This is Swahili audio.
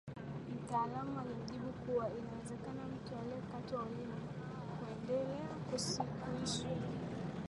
Mtaalamu alimjibu kuwa inawezekana mtu aliyekatwa ulimi kuendelea kuishi